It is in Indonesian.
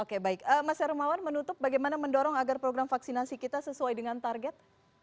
oke baik mas hermawan menutup bagaimana mendorong agar program vaksinasi kita sesuai dengan target